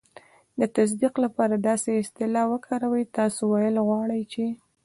د تصدیق لپاره داسې اصطلاح وکاروئ: "تاسې ویل غواړئ چې..."